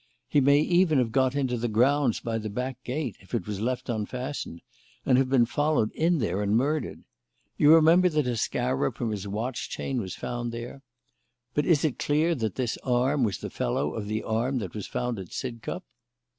He may even have got into the grounds by the back gate, if it was left unfastened, and been followed in there and murdered. You remember that a scarab from his watch chain was found there? But is it clear that this arm was the fellow of the arm that was found at Sidcup?"